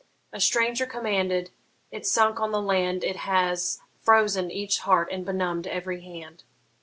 A stranger commanded it sunk on the land, It has frozen each heart, and benumb'd every hand!